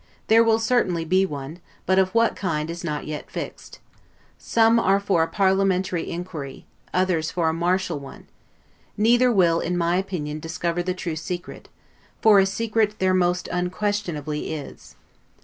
There will certainly be one, but of what kind is not yet fixed. Some are for a parliamentary inquiry, others for a martial one; neither will, in my opinion, discover the true secret; for a secret there most unquestionably is.